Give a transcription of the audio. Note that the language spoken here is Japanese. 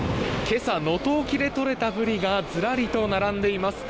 今朝能登沖でとれたブリがずらりと並んでいます。